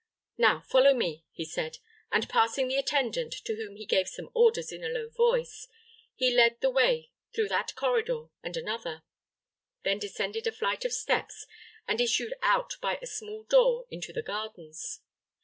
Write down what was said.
"Now follow me," he said; and passing the attendant, to whom he gave some orders in a low voice, he led the way through that corridor and another, then descended a flight of steps, and issued out by a small door into the gardens.